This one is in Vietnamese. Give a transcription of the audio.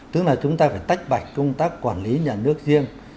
tức là chúng ta phải tách bạch công tác quản lý nhà nước riêng